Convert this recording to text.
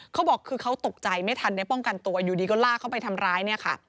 เขาบอกคือเขาตกใจไม่ทันได้ป้องกันตัวอยู่ดีก็ลากเขาไปทำร้ายเนี่ยค่ะ